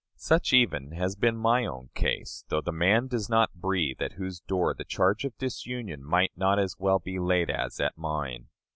Such, even, has been my own case, though the man does not breathe at whose door the charge of disunion might not as well be laid as at mine.